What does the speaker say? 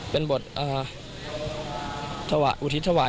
เป็นบทอุทธิษฐวาย